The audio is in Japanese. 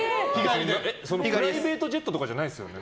プライベートジェットとかじゃないですよね。